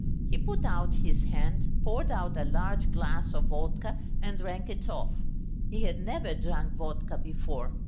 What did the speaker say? He put out his hand, poured out a large glass of vodka and drank it off. He had never drunk vodka before.